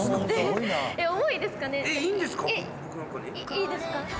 いいですか？